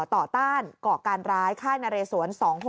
ต่อต้านก่อการร้ายค่านระเรศวน